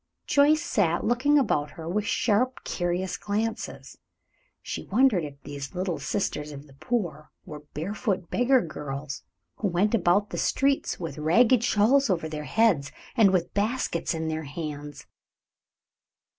Joyce sat looking about her with sharp, curious glances. She wondered if these little sisters of the poor were barefoot beggar girls, who went about the streets with ragged shawls over their heads, and with baskets in their hands.